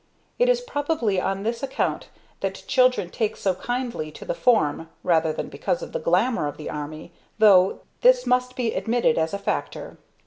It is probably on this account that children take so kindly to the form rather than because of any glamor of the army, though this must be admitted as a factor.